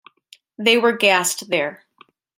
They were gassed there.